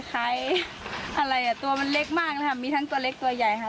คล้ายอะไรอ่ะตัวมันเล็กมากนะคะมีทั้งตัวเล็กตัวใหญ่ค่ะ